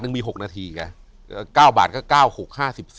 อยู่ที่แม่ศรีวิรัยิลครับ